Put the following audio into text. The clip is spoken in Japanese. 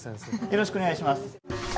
よろしくお願いします。